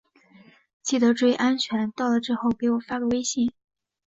记得注意安全，到了之后给我发个微信。